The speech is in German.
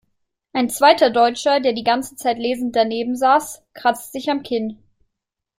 Ein zweiter Deutscher, der die ganze Zeit lesend daneben saß, kratzt sich am Kinn.